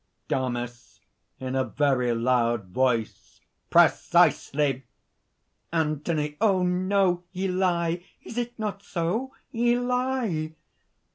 DAMIS (in a very loud voice). "Precisely!" ANTHONY. "Oh! no! ye lie! is it not so? ye lie!"